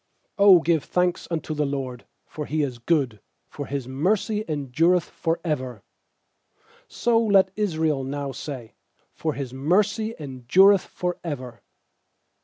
1 1 ft '0 give thanks unto the LORD. 1X0 for He is good, For His mercy endureth for ever/ 2So let Israel now say, For His mercy endureth for ever.